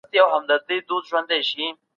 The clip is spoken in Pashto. تجارت بايد د رضايت پر اساس وي.